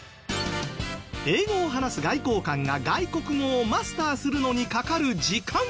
英語を話す外交官が外国語をマスターするのにかかる時間は。